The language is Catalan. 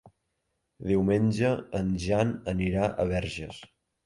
Diumenge en Jan anirà a Verges.